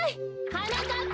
はなかっぱ！